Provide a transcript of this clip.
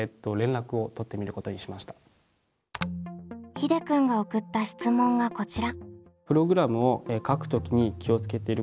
ひでくんが送った質問がこちら。